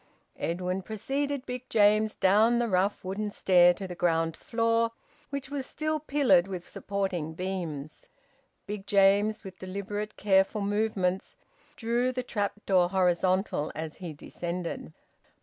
Edwin preceded Big James down the rough wooden stair to the ground floor, which was still pillared with supporting beams. Big James, with deliberate, careful movements, drew the trap door horizontal as he descended.